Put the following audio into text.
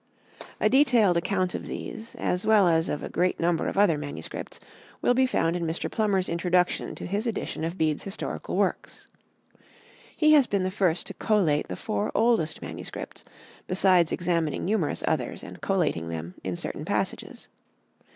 A detailed account of these, as well as of a great number of other manuscripts, will be found in Mr. Plummer's Introduction to his edition of Bede's Historical Works. He has been the first to collate the four oldest MSS., besides examining numerous others and collating them in certain passages.